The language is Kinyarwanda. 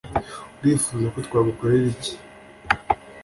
urifuza ko twagukorera iki‽